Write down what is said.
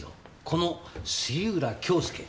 この杉浦恭介